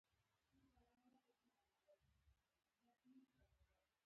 ګڼ کسان ولاړ شول.